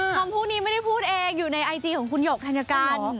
คำพูดนี้ไม่ได้พูดเองอยู่ในไอจีของคุณหยกธัญกัน